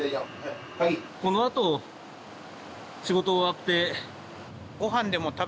このあと仕事終わって。